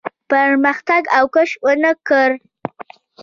پرمختګ او کش ونه کړ.